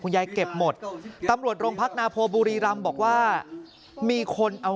ยายเก็บหมดตำรวจโรงพักนาโพบุรีรำบอกว่ามีคนเอา